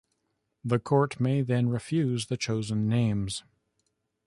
The court may then refuse the chosen names.